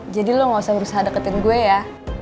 jadi lo gak usah berusaha deketin gue ya